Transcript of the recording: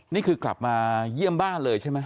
นี่คือกลับมาเยี่ยมบ้านเลยใช่ไหม